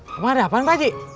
kamu ada apaan pakcik